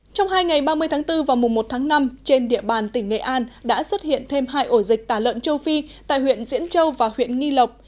trong hai ngày ba mươi tháng bốn và mùa một tháng năm trên địa bàn tỉnh nghệ an đã xuất hiện thêm hai ổ dịch tả lợn châu phi tại huyện diễn châu và huyện nghi lộc